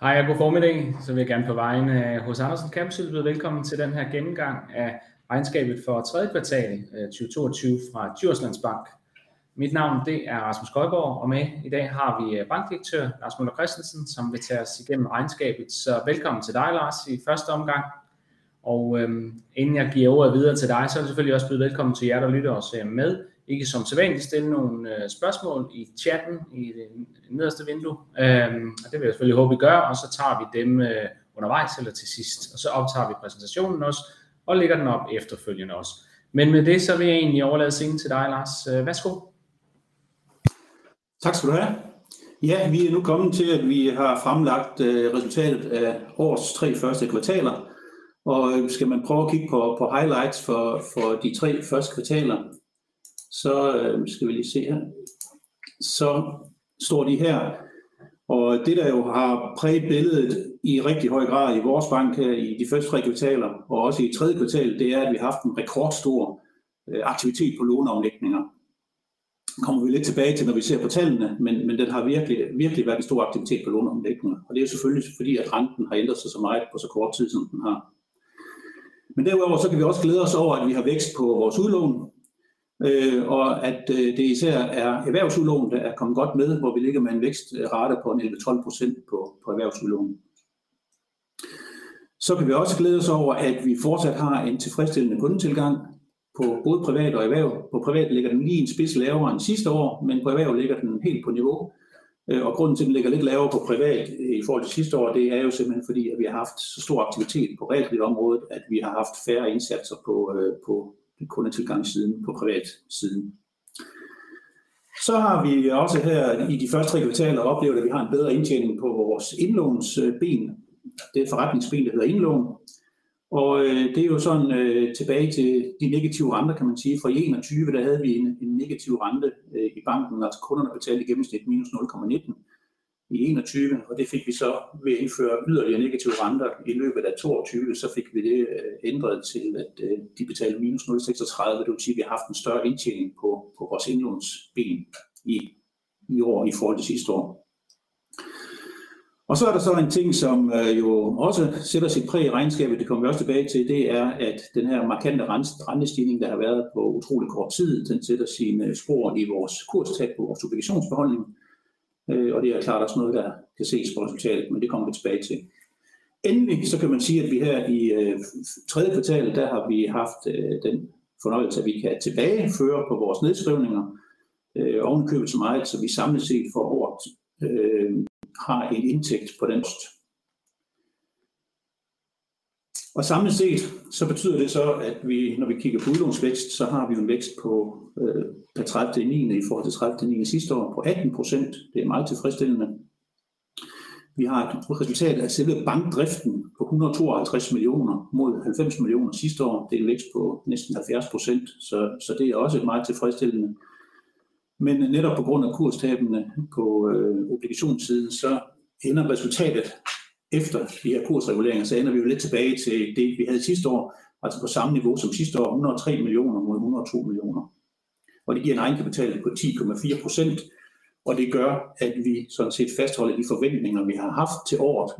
Hej og god formiddag. Vil jeg gerne på vegne af HC Andersen Capital byde velkommen til den her gennemgang af regnskabet for tredje kvartal 2022 fra Djurslands Bank. Mit navn er Rasmus Holmgaard og med i dag har vi Bankdirektør Lars Møller Kristensen, som vil tage os igennem regnskabet. Velkommen til dig Lars i første omgang. Inden jeg giver ordet videre til dig, så er I selvfølgelig også velkommen til jer, der lytter og ser med. I kan som sædvanlig stille nogle spørgsmål i chatten i det nederste vindue, og det vil jeg selvfølgelig håbe I gør, og så tager vi dem undervejs eller til sidst. Optager vi præsentationen også og lægger den op efterfølgende også. Med det så vil jeg egentlig overlade scenen til dig Lars. Værsgo. Tak skal du have. Ja, vi er nu kommet til at vi har fremlagt resultatet af årets tre første kvartaler. Skal man prøve at kigge på highlights for de tre første kvartaler, så skal vi lige se her. Står de her. Det der jo har præget billedet i rigtig høj grad i vores bank her i de første tre kvartaler og også i tredje kvartal, det er, at vi har haft en rekordstor aktivitet på låneomlægninger. Det kommer vi lidt tilbage til, når vi ser på tallene. Den har virkelig været en stor aktivitet på låneomlægninger, og det er selvfølgelig fordi, at renten har ændret sig så meget på så kort tid, som den har. Derudover kan vi også glæde os over, at vi har vækst på vores udlån, og at det især er erhvervsudlån, der er kommet godt med, hvor vi ligger med en vækstrate på 11.12% på erhvervsudlån. Kan vi også glæde os over, at vi fortsat har en tilfredsstillende kundetilgang på både privat og erhverv. På privat ligger den lige en smule lavere end sidste år, men på erhverv ligger den helt på niveau. Grund til at den ligger lidt lavere på privat i forhold til sidste år, det er jo simpelthen fordi vi har haft så stor aktivitet på realkreditområdet, at vi har haft færre indsatser på kundetilgang siden på privatsiden. Har vi også her i de første tre kvartaler oplevet, at vi har en bedre indtjening på vores indlånsben. Det forretningsben der hedder indlån, og det er jo sådan tilbage til de negative renter, kan man sige. Fra 2021 havde vi en negativ rente i banken, altså kunderne betalte i gennemsnit minus 0.19% i 2021, og det fik vi så ved at indføre yderligere negative renter i løbet af 2022. Vi fik det ændret til, at de betalte minus 0.36%. Det vil sige, at vi har haft en større indtjening på vores indlånsben i år i forhold til sidste år. Der er så en ting, som jo også sætter sit præg i regnskabet. Det kommer vi også tilbage til. Det er, at den her markante rentestigning, der har været på utrolig kort tid. Den sætter sine spor i vores kurstab på vores obligationsbeholdning, og det er klart også noget, der kan ses på resultatet. Det kommer vi tilbage til. Endelig kan man sige, at vi her i tredje kvartal har haft den fornøjelse, at vi kan tilbageføre på vores nedskrivninger. Oven i købet så meget, så vi samlet set for året har en indtægt på den post. Samlet set, så betyder det så, at vi, når vi kigger på udlånsvækst, så har vi en vækst på pr. 30.9. i forhold til 30.9. sidste år på 18%. Det er meget tilfredsstillende. Vi har et resultat af selve bankdriften på 152 millioner mod 90 millioner sidste år. Det er en vækst på næsten 70%, så det er også meget tilfredsstillende. Men netop på grund af kurstab på obligationssiden, så ender vi jo efter de her kursregulering lidt tilbage til det vi havde sidste år, altså på samme niveau som sidste år 103 millioner mod 102 millioner. Det giver en egenkapital på 10.4%. Det gør, at vi sådan set fastholder de forventninger, vi har haft til året.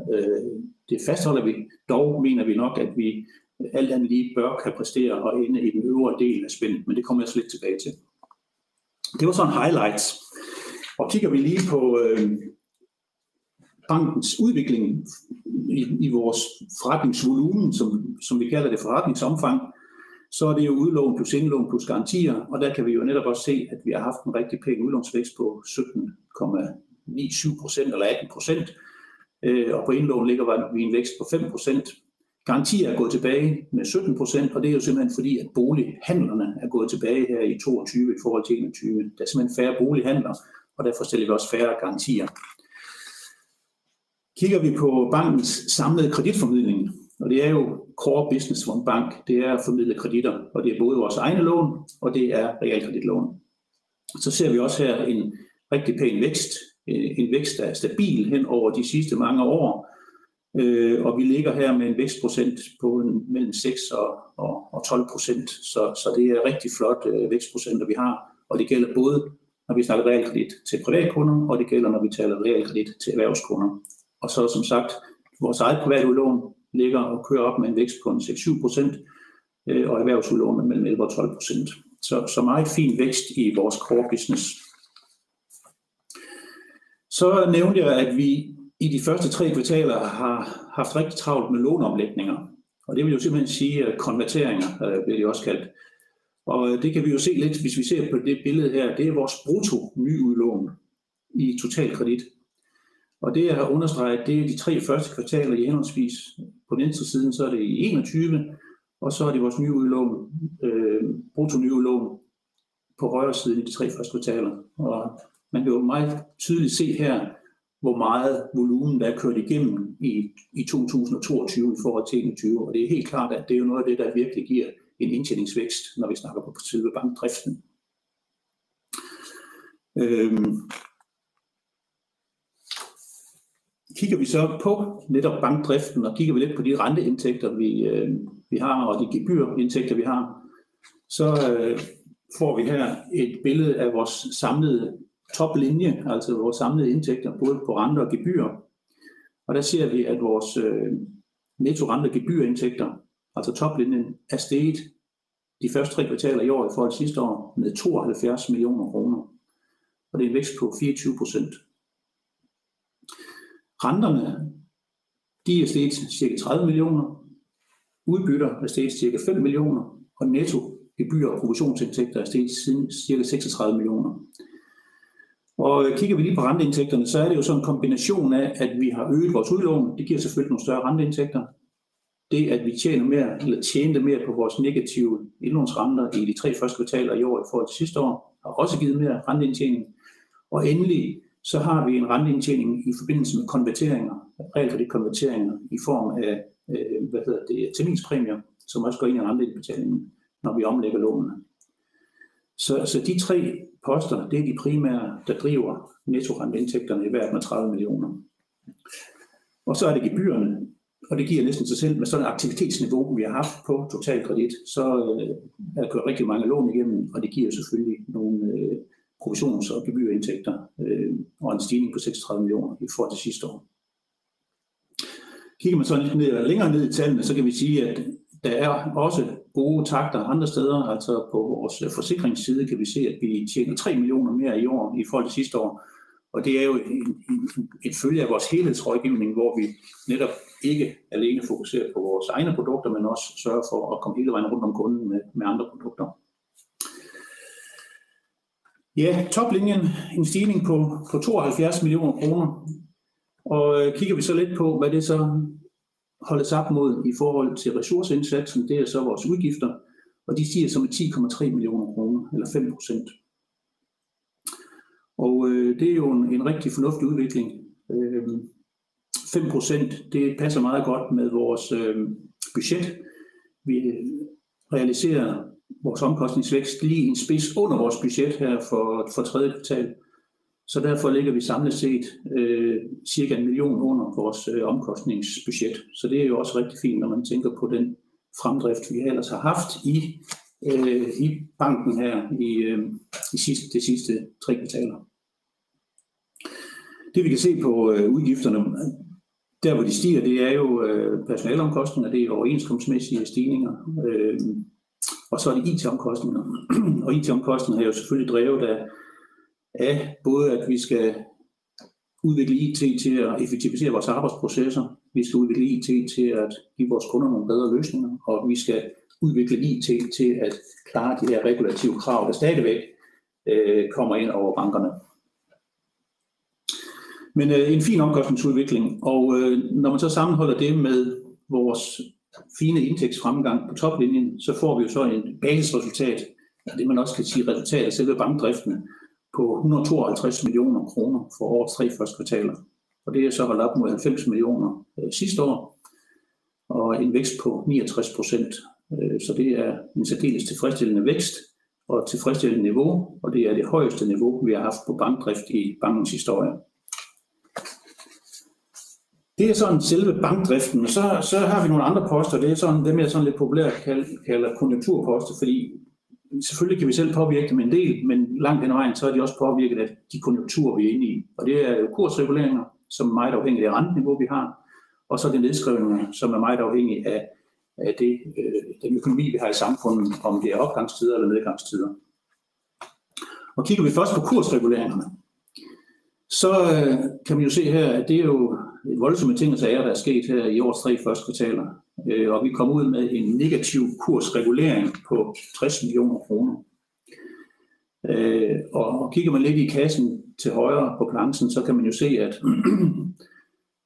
Det fastholder vi dog, mener vi nok, at vi alt andet lige bør kan præstere at ende i den øvre del af spændet. Men det kommer jeg selvfølgelig tilbage til. Det var sådan highlights. Kigger vi lige på bankens udvikling i vores forretningsvolumen, som vi kalder det forretningsomfang, så er det jo udlån plus indlån plus garantier. Der kan vi jo netop også se, at vi har haft en rigtig pæn udlånsvækst på 17.97% eller 18%. På indlån ligger vi en vækst på 5%. Garantier er gået tilbage med 17%, og det er jo simpelthen fordi bolighandlerne er gået tilbage her i 2022 i forhold til 2021. Der er simpelthen færre bolighandler, og derfor stiller vi også færre garantier. Kigger vi på bankens samlede kreditformidling og det er jo core business for en bank, det er at formidle kreditter, og det er både vores egne lån, og det er realkreditlån. Ser vi også her en rigtig pæn vækst. En vækst der er stabil hen over de sidste mange år, og vi ligger her med en vækstprocent på mellem 6%-12%. Det er rigtig flot vækstprocenter vi har, og det gælder både når vi snakker realkredit til privatkunder. Det gælder, når vi taler realkredit til erhvervskunder. Er som sagt vores eget privat udlån ligger og kører op med en vækst på 6%-7% og erhvervsudlån mellem 11%-12%. Meget fin vækst i vores core business. Nævnte jeg, at vi i de første tre kvartaler har haft rigtig travlt med låneomlægning, og det vil jo simpelthen sige at konverteringer bliver de også kaldt, og det kan vi jo se lidt, hvis vi ser på det billede her. Det er vores brutto nye udlån i total kredit, og det er understreget. Det er de tre første kvartaler i henholdsvis. På venstresiden er det i 2021, og så er det vores nye udlån. Brutto nyt udlån på højresiden i de tre første kvartaler, og man kan meget tydeligt se her, hvor meget volumen der er kørt igennem i 2022 i forhold til 2021. Det er helt klart, at det er jo noget af det, der virkelig giver en indtjeningsvækst, når vi snakker på selve bankdriften. Kigger vi på netop bankdriften og kigger vi lidt på de renteindtægter vi har og de gebyrindtægter vi har. Så får vi her et billede af vores samlede top linje, altså vores samlede indtægter både på renter og gebyrer. Der ser vi, at vores netto rente- og gebyrindtægter, altså top linjen, er steget de første tre kvartaler i år i forhold til sidste år med 75 million kroner, og det er en vækst på 24%. Renterne er steget cirka DKK 30 million. Udlån er steget cirka 5 million, og netto gebyrer og kommissionsindtægter er steget med cirka DKK 36 million. Kigger vi lige på renteindtægterne, så er det jo sådan en kombination af, at vi har øget vores udlån. Det giver selvfølgelig nogle større renteindtægter. Det at vi tjener mere eller tjente mere på vores negative indlånsrenter i de tre første kvartaler i år i forhold til sidste år har også givet mere renteindtjening. Endelig så har vi en renteindtjening i forbindelse med konverteringer af realkredit i form af formidlingspræmier, som også går ind i renteindtægterne, når vi omlægger lånene. De tre poster er de primære, der driver netto renteindtægterne med 30 millioner. Er der gebyrerne, og det giver næsten sig selv med sådan et aktivitetsniveau vi har haft på Totalkredit. Er der kørt rigtig mange lån igennem, og det giver selvfølgelig nogle kommissions og gebyrindtægter og en stigning på 36 millioner i forhold til sidste år. Kigger man så lidt længere ned i tallene, så kan vi sige, at der er også gode takter andre steder. Altså på vores forsikringsside kan vi se, at vi tjener 3 millioner mere i år i forhold til sidste år, og det er jo et følge af vores helhedsrådgivning, hvor vi netop ikke alene fokuserer på vores egne produkter, men også sørger for at komme hele vejen rundt om kunden med andre produkter. Ja, toplinjen en stigning på 75 millioner kroner. Kigger vi så lidt på, hvad det så holdes op mod i forhold til ressourceindsatsen. Det er så vores udgifter, og de stiger så med DKK 10.3 millioner eller 5%. Det er jo en rigtig fornuftig udvikling. 5% det passer meget godt med vores budget. Vi realiserer vores omkostningsvækst lige i en spids under vores budget her for tredje kvartal, så derfor ligger vi samlet set cirka DKK 1 million under vores omkostningsbudget. Det er jo også rigtig fint, når man tænker på den fremdrift, vi ellers har haft i banken her i de sidste tre kvartaler. Det vi kan se på udgifterne, der hvor de stiger, det er jo personaleomkostninger. Det er overenskomstmæssige stigninger, og så er det IT-omkostninger. IT-omkostninger er jo selvfølgelig drevet af både, at vi skal udvikle IT til at effektivisere vores arbejdsprocesser. Vi skal udvikle IT til at give vores kunder nogle bedre løsninger, og vi skal udvikle IT til at klare de her regulatoriske krav, der stadigvæk kommer ind over bankerne. En fin omkostningsudvikling, og når man så sammenholder det med vores fine indtægtsfremgang på toplinjen, så får vi jo så et basisresultat af det, man også kan sige resultatet af selve bankdriften på 152 millioner kroner for årets tre første kvartaler. Det er så holdt op mod DKK 90 millioner sidste år og en vækst på 93%. Det er en særdeles tilfredsstillende vækst og et tilfredsstillende niveau, og det er det højeste niveau, vi har haft på bankdrift i bankens historie. Det er sådan selve bankdriften. Så har vi nogle andre poster. Det er sådan dem, jeg sådan lidt populært kalder konjunkturposter, fordi selvfølgelig kan vi selv påvirke dem en del. Men langt hen ad vejen, så er de også påvirket af de konjunkturer, vi er inde i. Det er jo kursreguleringer, som er meget afhængige af renteniveauet vi har. Så er der nedskrivninger, som er meget afhængige af det. Den økonomi vi har i samfundet, om det er opgangstider eller nedgangstider. Kigger vi først på kursreguleringerne, så kan vi jo se her, at det er jo et voldsomt ting og sager, der er sket her i årets tre første kvartaler, og vi kommer ud med en negativ kursregulering på 60 millioner kroner. Kigger man lidt i kassen til højre på balancen, så kan man jo se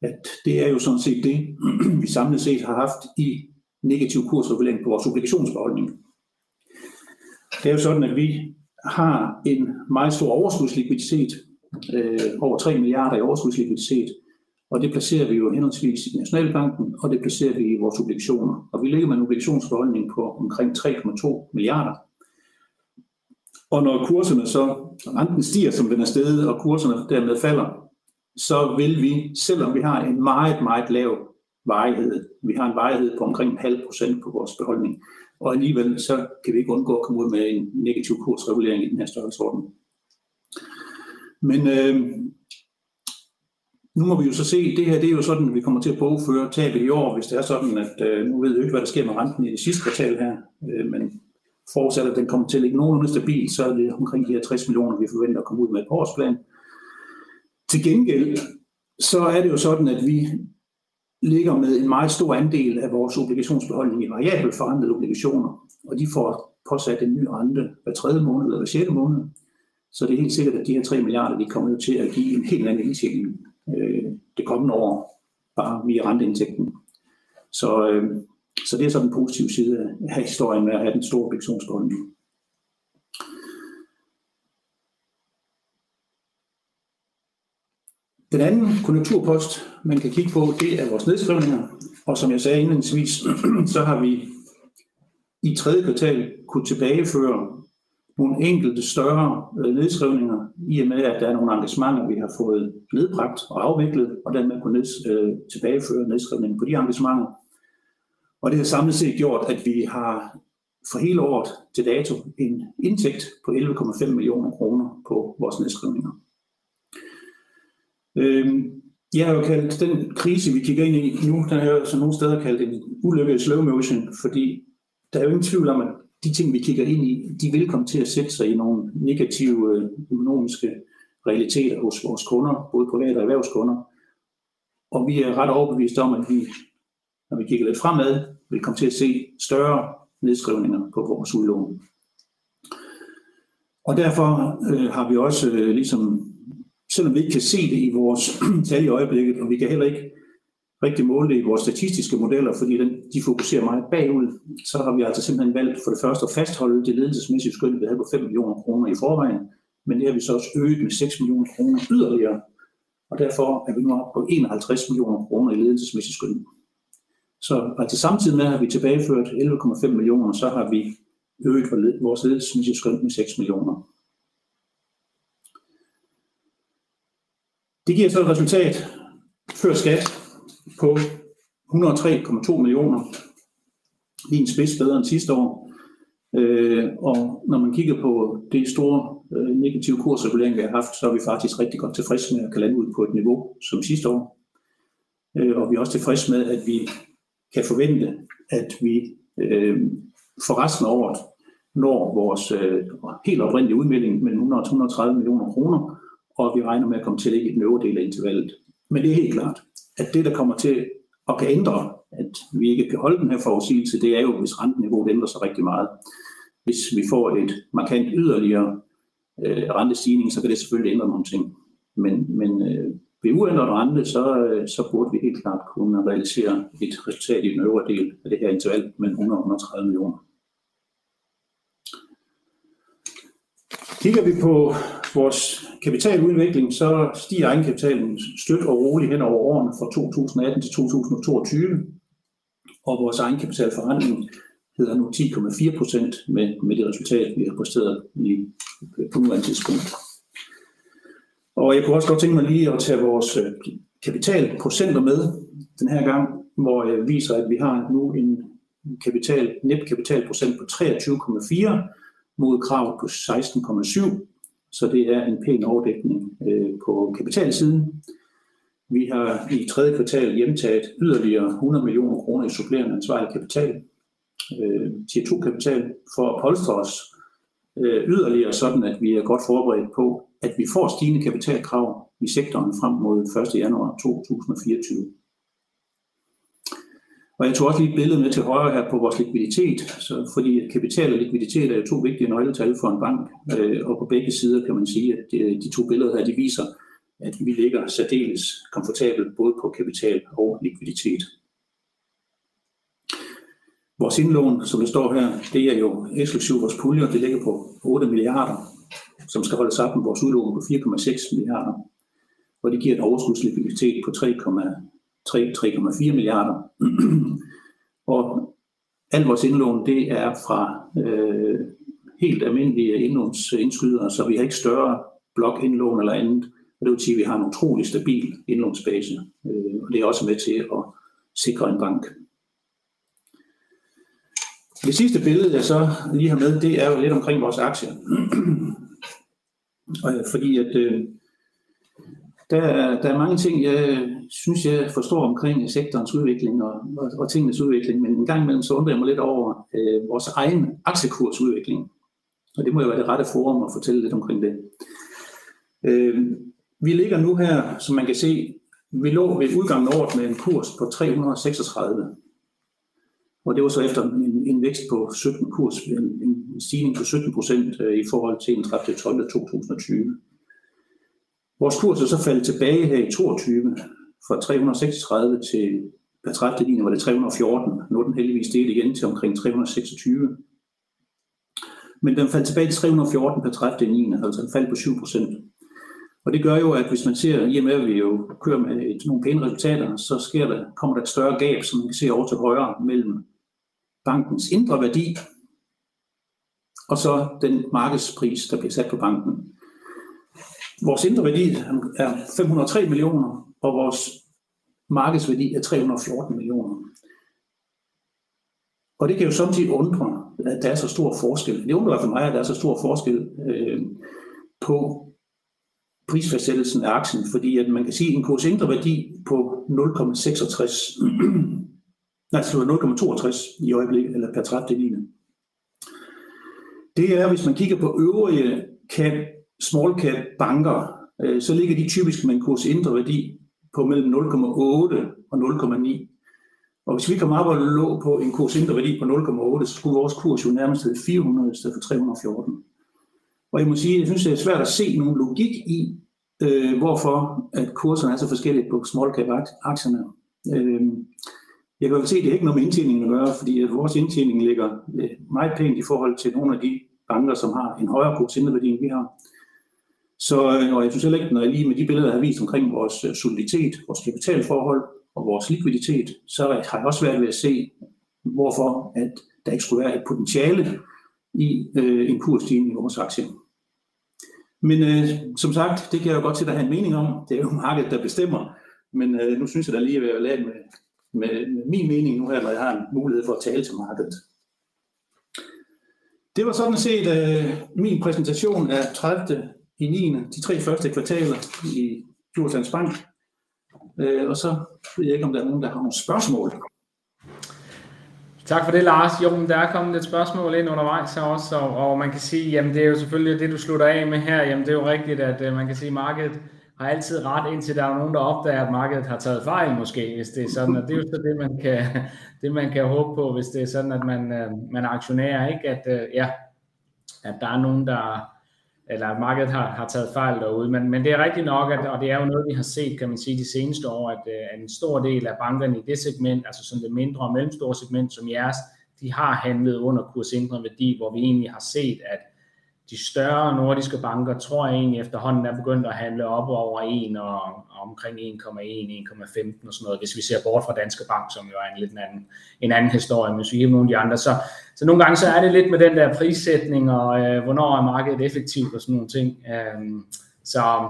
at det er jo sådan set det vi samlet set har haft i negativ kursregulering på vores obligationsbeholdning. Det er jo sådan, at vi har en meget stor overskudslikviditet over 3 milliarder i overskudslikviditet, og det placerer vi jo henholdsvis i Danmarks Nationalbank, og det placerer vi i vores obligationer. Vi ligger med en obligationsbeholdning på omkring 3.2 milliarder. Når renten stiger, som den er steget, og kurserne dermed falder, så vil vi, selvom vi har en meget lav varighed. Vi har en varighed på omkring 0.5% på vores beholdning, og alligevel så kan vi ikke undgå at komme ud med en negativ kursregulering i den her størrelsesorden. Nu må vi jo så se. Det her er jo sådan, at vi kommer til at bogføre tabet i år. Hvis det er sådan, at nu ved vi jo ikke, hvad der sker med renten i sidste kvartal her. Forudsætter at den kommer til at ligge nogenlunde stabil, så er det omkring de her 60 millioner, vi forventer at komme ud med på årsplan. Til gengæld så er det jo sådan, at vi ligger med en meget stor andel af vores obligationsbeholdning i variabelt forrentede obligationer, og de får påsat en ny rente hver tredje måned eller hver sjette måned. Det er helt sikkert, at de her 3 billion kommer jo til at give en helt anden indtjening det kommende år bare via renteindtægten. Det er så den positive side af historien med at have den store obligationsbeholdning. Den anden konjunktur post man kan kigge på, det er vores nedskrivninger. Som jeg sagde indledningsvis, så har vi i tredje kvartal kunnet tilbageføre nogle enkelte større nedskrivninger. I og med at der er nogle engagementer, vi har fået nedbragt og afviklet og dermed kunne tilbageføre nedskrivningen på de engagementer. Det har samlet set gjort, at vi har for hele året til dato en indtægt på 11.5 million kroner på vores nedskrivninger. Jeg har jo kaldt den krise, vi kigger ind i nu. Den har jeg nogle steder kaldt en ulykke i slow motion. Fordi der er jo ingen tvivl om, at de ting, vi kigger ind i, de vil komme til at sætte sig i nogle negative økonomiske realiteter hos vores kunder. Både private og erhvervskunder. Vi er ret overbeviste om, at vi, når vi kigger lidt fremad, vil komme til at se større nedskrivninger på vores udlån. Derfor har vi også ligesom selvom vi ikke kan se det i vores tal i øjeblikket. Vi kan heller ikke rigtig måle det i vores statistiske modeller, fordi de fokuserer meget bagud. Har vi altså simpelthen valgt for det første at fastholde det ledelsesmæssige skøn, vi havde på 5 millioner kroner i forvejen. Det har vi så også øget med 6 millioner kroner yderligere, og derfor er vi nu oppe på 51 millioner kroner i ledelsesmæssige skøn. Altså samtidig med at vi tilbageførte 11.5 millioner, så har vi øget vores ledelsesmæssige skøn med 6 millioner. Det giver et resultat før skat på 103.2 millioner. Lige en smule bedre end sidste år. Når man kigger på de store negative kursregulering vi har haft, så er vi faktisk rigtig godt tilfredse med at kunne lande ud på et niveau som sidste år. Vi er også tilfredse med, at vi kan forvente, at vi for resten af året når vores helt oprindelige udmelding mellem 100 millioner og 130 millioner kroner. Vi regner med at komme til at ligge i den øvre del af intervallet. Men det er helt klart, at det, der kommer til og kan ændre, at vi ikke kan holde den her forudsigelse, det er jo, hvis renteniveauet ændrer sig rigtig meget. Hvis vi får et markant yderligere rentestigning, så kan det selvfølgelig ændre nogle ting. Men ved uændrede rente, så burde vi helt klart kunne realisere et resultat i den øvre del af dette interval mellem 100 million og 130 million. Kigger vi på vores kapitaludvikling, så stiger egenkapitalen støt og roligt hen over årene fra 2018 til 2022, og vores egenkapitalforrentning hedder nu 10.4%. Men med det resultat vi har præsteret lige på nuværende tidspunkt, og jeg kunne også godt tænke mig lige at tage vores kapitalprocenter med den her gang, hvor jeg viser, at vi har nu en nettokapitalprocent på 23.4% mod kravet på 16.7%, så det er en pæn overdækning på kapital siden. Vi har i tredje kvartal hjemtaget yderligere 100 million kroner i supplerende ansvarlig kapital, Tier 2-kapital for at polstre os yderligere, sådan at vi er godt forberedt på, at vi får stigende kapitalkrav i sektoren frem mod 1. januar 2024. Jeg tog også lige et billede med til højre her på vores likviditet. Fordi kapital og likviditet er 2 vigtige nøgletal for en bank, og på begge sider kan man sige, at de 2 billeder her viser, at vi ligger særdeles komfortabelt både på kapital og likviditet. Vores indlån, som det står her, det er jo eksklusiv vores puljer. Det ligger på 8 billion, som skal holde sammen vores udlån på 4.6 billion, og det giver et overskudslikviditet på 3.3 billion-3.4 billion. Alt vores indlån er fra helt almindelige indlånsindskydere, så vi har ikke større blok indlån eller andet. Det vil sige, at vi har en utrolig stabil indlånsbase, og det er også med til at sikre en bank. Det sidste billede jeg så lige har med, er jo lidt omkring vores aktier. Fordi der er mange ting jeg synes jeg forstår omkring sektorens udvikling og tingenes udvikling. Engang imellem så undrer jeg mig lidt over vores egen aktiekurs udvikling, og det må jo være det rette forum at fortælle lidt omkring det. Vi ligger nu her. Som man kan se. Vi lå ved udgangen af året med en kurs på 336, og det var så efter en vækst på 17 kr. En stigning på 17% i forhold til den 30. juni 2020. Vores kurs er så faldet tilbage her i 2022 fra 336 til pr. 30.9.2022 var det 314. Nu er den heldigvis steget igen til omkring 326, men den faldt tilbage til 314 pr. 30.9. Altså et fald på 7%. Det gør jo, at hvis man ser i og med at vi jo kører med nogle pæne resultater, så sker der et større gab, som vi kan se ovre til højre mellem bankens indre værdi og så den markedspris, der bliver sat på banken. Vores indre værdi er 503 millioner, og vores markedsværdi er 314 millioner. Det kan jo sommetider undre, at der er så stor forskel. Det undrer i hvert fald mig, at der er så stor forskel på prisfastsættelsen af aktien. Fordi man kan sige en kurs indre værdi på 0,63. Nej, 0,23 i øjeblikket eller pr. 30.9. Det er, hvis man kigger på øvrige small cap banker, så ligger de typisk med en kurs indre værdi på mellem 0.8 og 0.9. Hvis vi kom op og lå på en kurs indre værdi på 0.8, så skulle vores kurs jo nærmest 400 i stedet for 314. Jeg må sige, at jeg synes det er svært at se nogen logik i, hvorfor kurserne er så forskellige på small cap aktierne. Jeg kan jo se, at det ikke har noget med indtjeningen at gøre, fordi vores indtjening ligger meget pænt i forhold til nogle af de banker, som har en højere kurs end værdien vi har. Synes jeg heller ikke, når jeg lige med de billeder har vist omkring vores soliditet, vores kapitalforhold og vores likviditet, så har jeg også svært ved at se, hvorfor der ikke skulle være et potentiale i en kursstigning i vores aktie. Som sagt, det kan jeg jo godt sidde og have en mening om. Det er jo markedet, der bestemmer. Nu synes jeg da lige at være lavet med min mening nu her, når jeg har en mulighed for at tale til markedet. Det var sådan set min præsentation af 30.9. De tre første kvartaler i Djurslands Bank. Ved jeg ikke, om der er nogen der har nogle spørgsmål. Tak for det, Lars. Jo, der er kommet lidt spørgsmål ind undervejs også, og man kan sige, jamen, det er jo selvfølgelig det, du slutter af med her. Jamen, det er jo rigtigt, at man kan sige, markedet har altid ret, indtil der er nogen, der opdager, at markedet har taget fejl. Måske, hvis det er sådan, at det er jo så det man kan. Det man kan håbe på, hvis det er sådan, at man er aktionærer. Ikke at ja, at der er nogen der eller markedet har taget fejl derude. Men det er rigtigt nok. Det er jo noget vi har set, kan man sige de seneste år, at en stor del af bankerne i det segment, altså det mindre og mellemstore segment som jeres, de har handlet under kurs indre værdi, hvor vi egentlig har set, at de større nordiske banker tror egentlig efterhånden er begyndt at handle oppe over 1 og omkring 1.1 1.15 og sådan noget. Hvis vi ser bort fra Danske Bank, som jo er en lidt anden historie end de andre, så nogle gange er det lidt med den der prissætning. Og hvornår er markedet effektivt og sådan nogle ting så.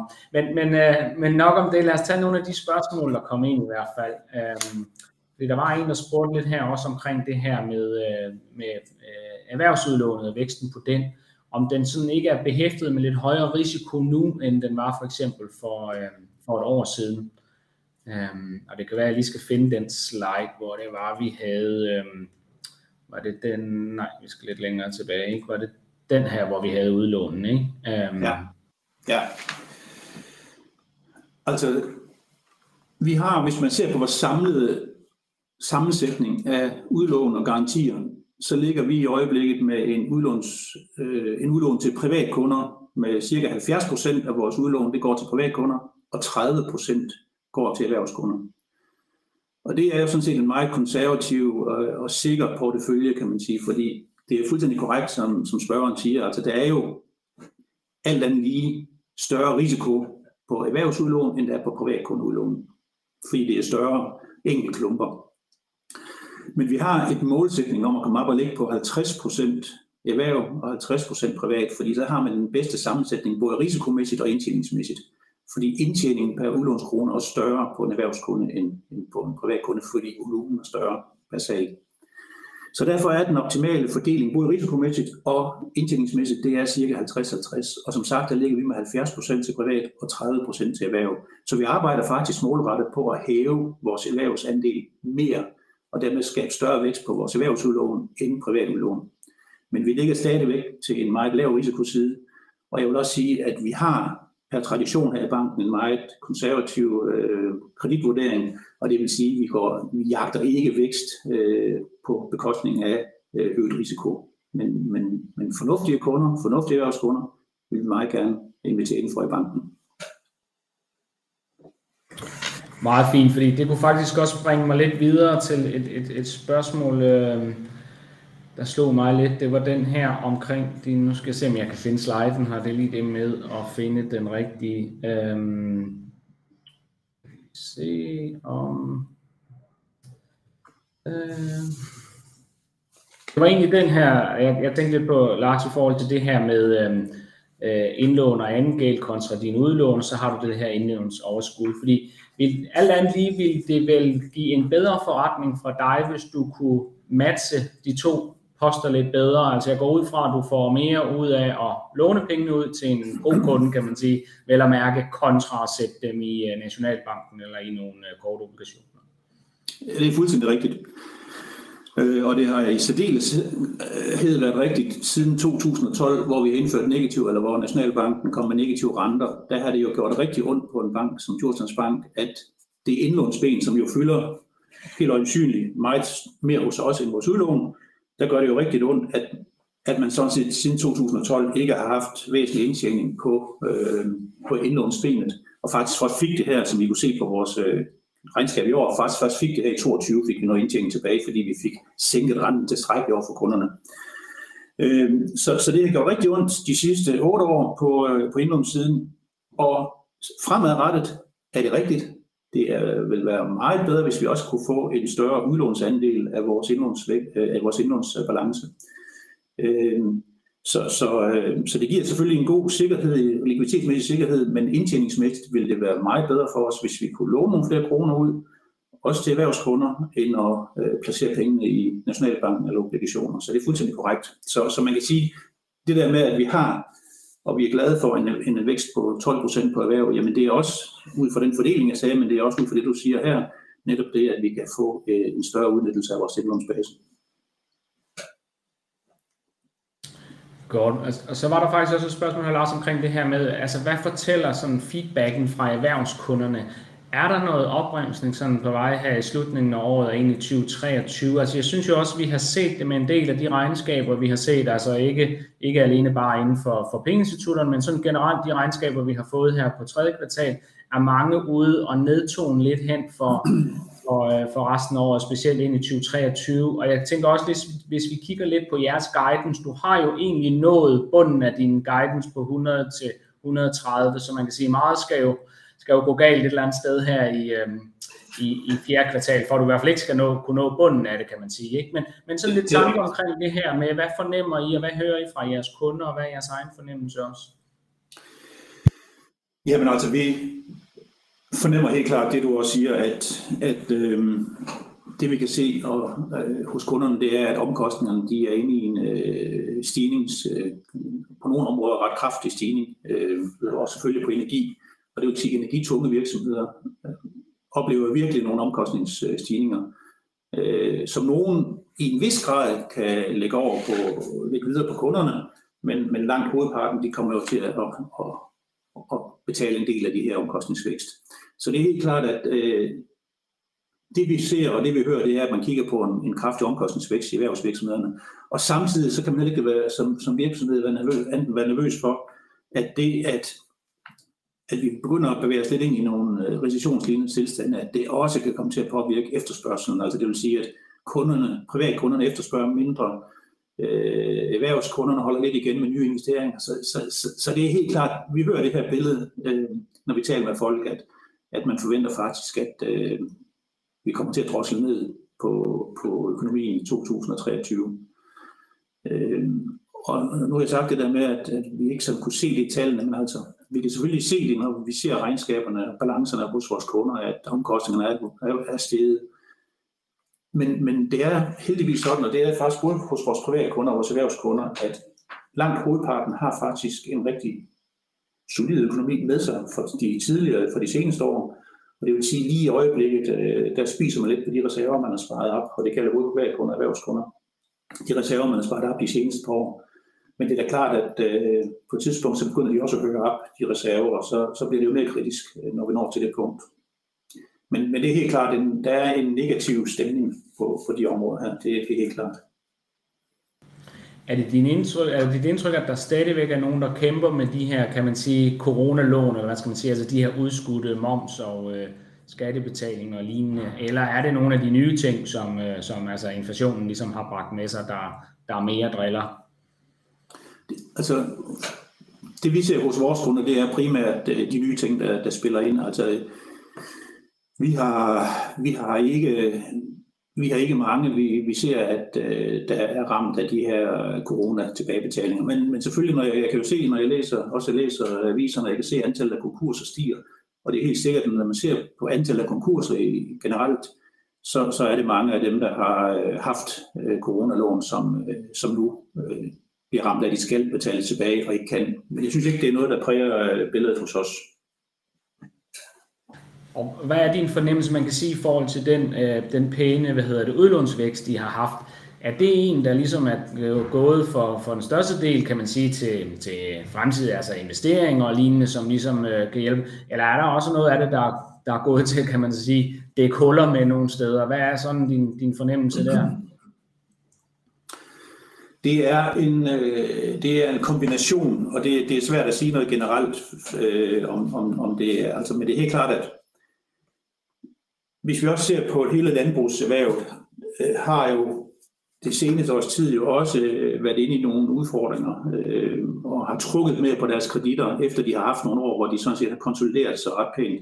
Men nok om det. Lad os tage nogle af de spørgsmål der kom ind i hvert fald. Der var en der spurgte lidt her også omkring det her med erhvervs udlånet og væksten på den. Om den ikke er behæftet med lidt højere risiko nu, end den var for eksempel for et år siden. Det kan være, at jeg lige skal finde den slide, hvor det var vi havde. Var det den? Nej, vi skal lidt længere tilbage. Var det den her, hvor vi havde udlånene? Ja, ja. Altså, vi har. Hvis man ser på vores samlede sammensætning af udlån og garantier, så ligger vi i øjeblikket med et udlån til privatkunder med cirka 70% af vores udlån. Det går til privatkunder, og 30% går til erhvervskunder. Det er jo sådan set en meget konservativ og sikker portefølje, kan man sige. Det er fuldstændig korrekt, som spørgeren siger. Altså, der er jo alt andet lige større risiko på erhvervsudlån end der er på privatkundeudlån, fordi det er større enkeltklumper. Vi har en målsætning om at komme op at ligge på 50% erhverv og 50% privat, fordi så har man den bedste sammensætning både risikomæssigt og indtjeningsmæssigt, fordi indtjening pr. udlånskrone er større på en erhvervskunde end på en privatkunde, fordi volumen er større pr. salg. Derfor er den optimale fordeling både risikomæssigt og indtjeningsmæssigt. Det er cirka 50-60 og som sagt der ligger vi med 70% til privat og 30% til erhverv. Vi arbejder faktisk målrettet på at hæve vores erhvervsandel mere og dermed skabe større vækst på vores erhvervsudlån end privat udlån. Vi ligger stadigvæk til en meget lav risikoside, og jeg vil også sige, at vi har pr. tradition her i banken en meget konservativ kreditvurdering. Vi jagter ikke vækst på bekostning af øget risiko. Fornuftige erhvervskunder vil vi meget gerne invitere indenfor i banken. Meget fint, for det kunne faktisk også bringe mig lidt videre til et spørgsmål, der slog mig lidt. Det var den her jeg tænkte lidt på, Lars. I forhold til det her med indlån og anden gæld kontra dine udlån, så har du det her indlånsoverskud, fordi alt andet lige ville det vel give en bedre forretning for dig, hvis du kunne matche de to poster lidt bedre. Altså, jeg går ud fra, at du får mere ud af at låne pengene ud til en god kunde, kan man sige. Vel at mærke kontra at sætte dem i Danmarks Nationalbank eller i nogle korte obligationer. Det er fuldstændig rigtigt, og det har i særdeleshed været rigtigt siden 2012, hvor Nationalbanken kom med negative renter. Der har det jo gjort rigtig ondt på en bank som Djurslands Bank, at det indlånsben, som jo fylder helt øjensynligt meget mere hos os end vores udlån. Der gør det jo rigtig ondt, at man sådan set siden 2012 ikke har haft væsentlig indtjening på indlånsbenet og faktisk først fik det her, som I kunne se på vores regnskab i år. Faktisk først i 2022 fik vi noget indtjening tilbage, fordi vi fik sænket renten tilstrækkeligt over for kunderne, så det har gjort rigtig ondt de sidste 8 år. På indlånssiden og fremadrettet er det rigtigt. Det vil være meget bedre, hvis vi også kunne få en større udlånsandel af vores indlåns og vores indlånsbalance. Det giver selvfølgelig en god sikkerhed i likviditetsmæssig sikkerhed. Indtjeningsmæssigt ville det være meget bedre for os, hvis vi kunne låne nogle flere kroner ud også til erhvervskunder end at placere pengene i Nationalbanken eller obligationer. Det er fuldstændig korrekt. Man kan sige det der med, at vi har, og vi er glade for en vækst på 12% på erhverv. Jammen, det er også ud fra den fordeling jeg så. Det er også fordi det du siger her netop det, at vi kan få en større udnyttelse af vores indlånsbase. Godt. Så var der faktisk også et spørgsmål her Lars omkring det her med. Altså, hvad fortæller sådan feedbacken fra erhvervskunderne? Er der noget opbremsning sådan på vej her i slutningen af året og ind i 2023? Jeg synes jo også, vi har set det med en del af de regnskaber, vi har set. Altså ikke alene bare inden for pengeinstitutterne, men sådan generelt. De regnskaber vi har fået her på tredje kvartal, er mange ude og nedtone lidt hen for resten af året og specielt ind i 2023. Jeg tænker også, at hvis vi kigger lidt på jeres guidance. Du har jo egentlig nået bunden af din guidance på 100-130, så man kan sige meget skal jo. Skal jo gå galt et eller andet sted her i fjerde kvartal, for du i hvert fald ikke skal nå at kunne nå bunden af det, kan man sige. Sådan lidt tanker omkring det her med hvad fornemmer I og hvad hører I fra jeres kunder og hvad er jeres egen fornemmelse også? Jamen altså, vi fornemmer helt klart det du også siger, at det vi kan se hos kunderne, det er, at omkostningerne er i en stigning. På nogle områder ret kraftig stigning og selvfølgelig på energi. Det vil sige energitunge virksomheder oplever virkelig nogle omkostningsstigninger, som nogle i en vis grad kan lægge over på kunderne. Men langt hovedparten kommer jo til at betale en del af de her omkostningsvækst. Det er helt klart, at det vi ser, og det vi hører, er, at man kigger på en kraftig omkostningsvækst i erhvervsvirksomhederne, og samtidig kan man ikke som virksomhed være andet end nervøs for, at vi begynder at bevæge os lidt ind i nogle recession-lignende tilstande, at det også kan komme til at påvirke efterspørgslen. Altså det vil sige, at kunderne, privat kunder, efterspørger mindre. Erhvervskunderne holder lidt igen med nye investeringer, så det er helt klart. Vi hører det her billede, når vi taler med folk, at man forventer faktisk, at vi kommer til at drosle ned på økonomien i 2023. Nu har jeg sagt det der med, at vi ikke kunne se det i tallene. Altså, vi kan selvfølgelig se det, når vi ser regnskaberne og balancerne hos vores kunder, at omkostningerne er steget. Det er heldigvis sådan, og det er faktisk både hos vores privatkunder og vores erhvervskunder, at langt hovedparten har faktisk en rigtig solid økonomi med sig fra de seneste år. Det vil sige lige i øjeblikket, der spiser man lidt på de reserver, man har sparet op, og det gælder både privatkunders erhvervskunder. De reserver, man har sparet op de seneste par år. Det er da klart, at på et tidspunkt så begynder de også at bruge op de reserver, og så bliver det jo mere kritisk, når vi når til det punkt. Det er helt klart, at der er en negativ stemning på de områder her. Det er helt klart. Er det dine indtryk? Er det dit indtryk, at der stadigvæk er nogen, der kæmper med de her? Kan man sige Coronalån eller hvad skal man sige? Altså de her udskudte moms og skattebetaling og lignende? Eller er det nogle af de nye ting, som altså inflationen har bragt med sig der? Der er mere driller. Altså det vi ser hos vores kunder, det er primært de nye ting der spiller ind. Altså vi har ikke mange. Vi ser, at der er ramt af de her Corona tilbagebetaling. Men selvfølgelig, jeg kan jo se når jeg læser og læser aviserne. Jeg kan se antallet af konkurser stiger, og det er helt sikkert, når man ser på antallet af konkurser generelt, så er det mange af dem, der har haft Coronalån, som nu bliver ramt af de skal betale tilbage og ikke kan. Men jeg synes ikke det er noget der præger billedet hos os. Hvad er din fornemmelse? Man kan sige i forhold til den penge. Hvad er den udlånsvækst I har haft? Er det en, der ligesom er gået for den største del, kan man sige til fremtidige investeringer og lignende, som ligesom kan hjælpe? Eller er der også noget af det, der er gået til, kan man så sige dække huller med nogle steder? Hvad er din fornemmelse der? Det er en kombination, og det er svært at sige noget generelt om det er. Det er helt klart, at hvis vi ser på hele landbrugssektoren, de seneste år har også været inde i nogle udfordringer og har trukket mere på deres kreditter, efter de har haft nogle år, hvor de sådan set har konsolideret sig ret pænt.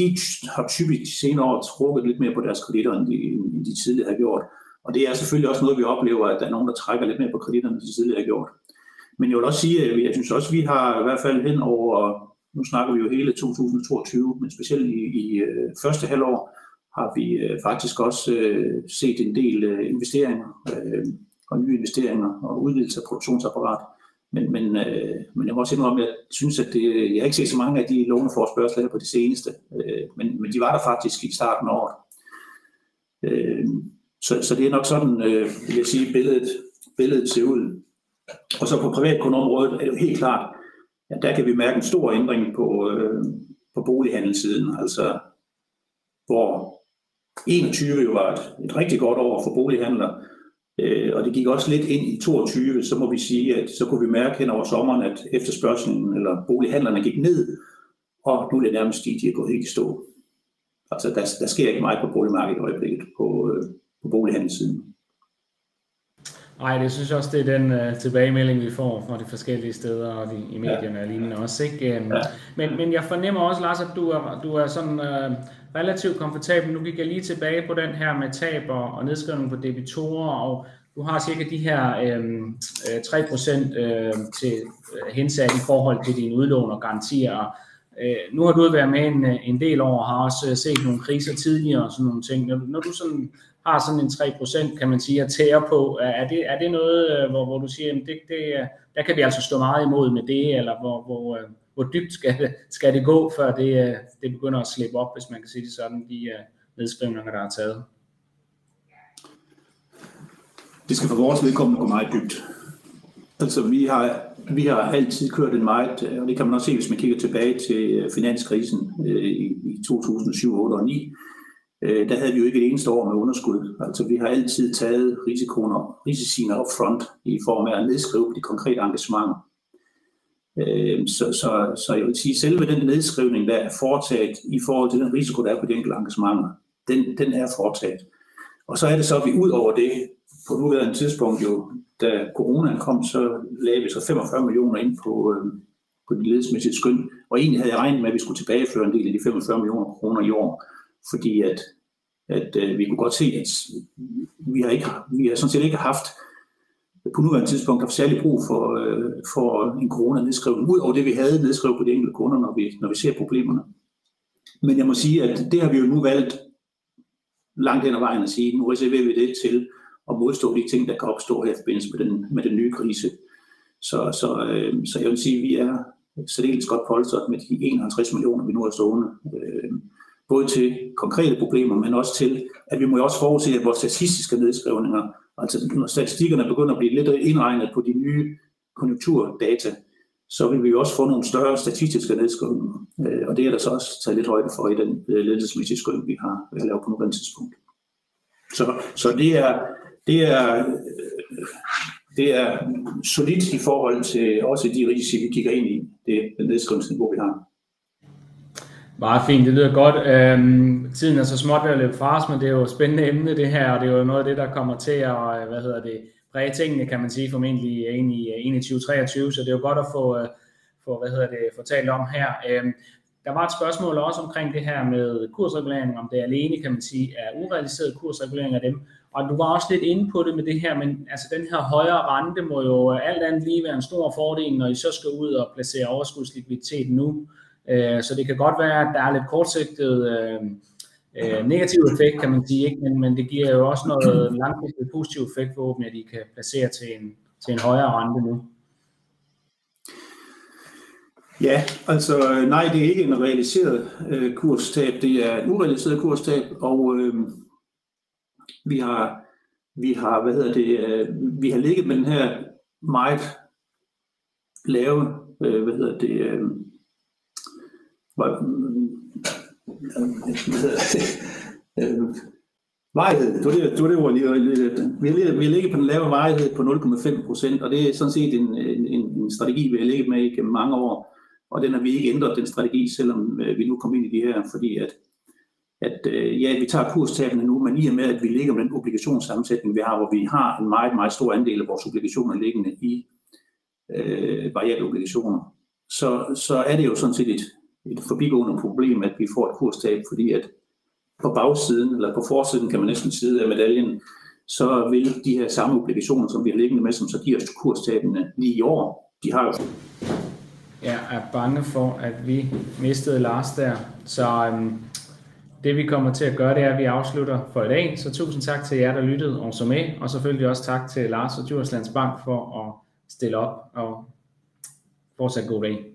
De har typisk de senere år trukket lidt mere på deres kreditter, end de tidligere har gjort. Det er selvfølgelig også noget, vi oplever, at der er nogen, der trækker lidt mere på kreditterne, end de tidligere har gjort. Jeg vil også sige, at jeg synes, vi har i hvert fald henover. Nu snakker vi jo hele 2022, men specielt i første halvår har vi faktisk også set en del investeringer og nye investeringer og udvidelse af produktionsapparat. Jeg må også indrømme, at jeg synes, at jeg har ikke set så mange af de låneforespørgsler her på det seneste. De var der faktisk i starten af året. Det er nok sådan vil jeg sige billedet. Billedet ser ud. Så på privatkundeområdet er det helt klart, at der kan vi mærke en stor ændring på bolighandelsiden. Altså hvor 2021 jo var et rigtigt godt år for bolighandler og det gik også lidt ind i 2022, så må vi sige, at så kunne vi mærke hen over sommeren, at efterspørgslen på bolighandler gik ned, og nu vil jeg nærmest sige de er gået helt i stå. Altså, der sker ikke meget på boligmarkedet i øjeblikket på bolighandelsiden. Nej, det synes jeg også. Det er den tilbagemelding vi får fra de forskellige steder og i medierne og lignende også. Jeg fornemmer også Lars, at du er relativt komfortabel. Nu gik jeg lige tilbage på den her med tab og nedskrivning på debitorer, og du har sikkert de her 3% til hensat i forhold til dine udlån og garantier. Nu har du jo været med en del år og har også set nogle kriser tidligere og sådan nogle ting. Når du sådan har sådan en 3% kan man sige at tære på, er det noget hvor du siger det. Der kan vi altså stå meget imod med det eller hvor dybt skal det gå før det begynder at slippe op, hvis man kan sige det sådan? De nedskrivninger der er taget. Det skal for vores vedkommende gå meget dybt. Altså vi har altid kørt en meget, og det kan man også se, hvis man kigger tilbage til finanskrisen i 2007, 2008 og 2009. Der havde vi jo ikke et eneste år med underskud. Altså, vi har altid taget risikoen og risiciene upfront i form af at nedskrive de konkrete engagementer. Jeg vil sige selve den nedskrivning, der er foretaget i forhold til den risiko, der er på det enkelte engagement. Den er foretaget, så er det så, at vi ud over det på nuværende tidspunkt jo da corona kom, så lagde vi så 45 millioner ind på det ledelsesmæssige skøn. Egentlig havde jeg regnet med, at vi skulle tilbageføre en del af de 45 millioner kroner i år, fordi at vi kunne godt se, at vi har ikke. Vi har, sådan set, ikke haft på nuværende tidspunkt særlig brug for en corona nedskrivning ud over det, vi havde nedskrevet på de enkelte kunder. Når vi ser problemerne. Jeg må sige, at det har vi jo nu valgt langt hen ad vejen at sige. Nu reserver vi det til at modstå de ting, der kan opstå her i forbindelse med den nye krise. Jeg vil sige, at vi er særdeles godt polstret med de 51 millioner, vi nu har stående både til konkrete problemer, men også til at vi må også forudse, at vores statistiske nedskrivninger, altså når statistikkerne begynder at blive lidt indregnet på de nye konjunkturdata, så vil vi også få nogle større statistiske nedskrivninger, og det er der så også taget lidt højde for i den ledelsesvurdering, vi har lavet på nuværende tidspunkt. Det er. Det er solidt i forhold til også de risici, vi kigger ind i. Det er den nedskrivning, som vi har. Meget fint. Det lyder godt. Tiden er så småt ved at løbe fra os, men det er jo et spændende emne det her, og det er jo noget af det, der kommer til at præge tingene, kan man sige. Formentlig ind i 2023. Så det er jo godt at få talt om her. Der var et spørgsmål også omkring det her med kursregulering. Om det alene kan man sige er urealiserede kursregulering af dem, og du var også lidt inde på det med det her. Men den her højere rente må jo alt andet lige være en stor fordel, når I så skal ud og placere overskudslikviditet nu. Så det kan godt være, at der er lidt kortsigtet negativ effekt, kan man sige. Det giver jo også noget langsigtet positiv effekt forhåbentlig, at I kan placere til en højere rente nu. Ja, altså nej, det er ikke en realiseret kurstab. Det er urealiserede kurstab, og vi har. Hvad hedder det? Vi har ligget med den her meget lave. Hvad hedder det? Varighed? Det var det ord, jeg ledte efter. Vi har ligget på den lave varighed på 0.5%, og det er sådan set en strategi, vi har ligget med igennem mange år, og den har vi ikke ændret den strategi, selvom vi nu kom ind i de her. Fordi at ja, vi tager kurstabene nu, men i og med at vi ligger med den obligations sammensætning vi har, hvor vi har en meget meget stor andel af vores obligationer liggende i variable obligationer, så er det jo sådan set et forbigående problem, at vi får et kurstab. Fordi at på bagsiden eller på forsiden kan man næsten sige af medaljen, så vil de samme obligationer, som vi har liggende med, som så giver os kurs tabene lige i år. De har jo. Jeg er bange for, at vi mistede Lars der. Det vi kommer til at gøre, det er, at vi afslutter for i dag. Tusind tak til jer, der lyttede og så med. Selvfølgelig også tak til Lars og Djurslands Bank for at stille op og fortsat god dag.